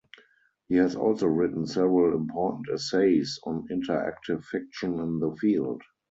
He has also written several important essays on interactive fiction in the field.